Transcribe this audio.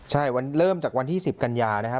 ใช่วันเริ่มจากวันที่๑๐กันยานะครับ